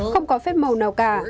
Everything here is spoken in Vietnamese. không có phép màu nào cả